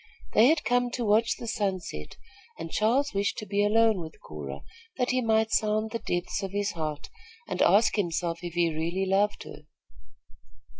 They had come to watch the sunset, and Charles wished to be alone with Cora, that he might sound the depths of his heart and ask himself if he really loved her.